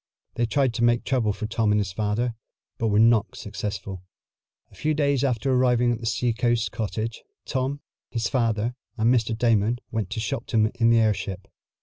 They tried to make trouble for Tom and his father, but were not successful. A few days after arriving at the seacoast cottage, Tom, his father and Mr. Damon went to Shopton in the airship.